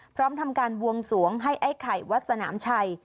พร้อมทำการบวงสวงให้ไอ้ไข่วัดสนามชัย